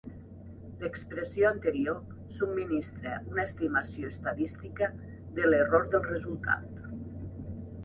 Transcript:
L'expressió anterior subministra una estimació estadística de l'error del resultat.